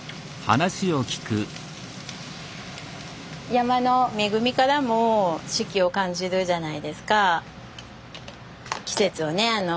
山の恵みからも四季を感じるじゃないですか季節をね。